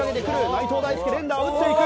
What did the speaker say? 内藤大助連打を打っていく。